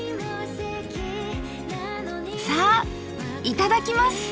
さあいただきます！